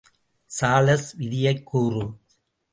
Charles விதியைக் கூறு.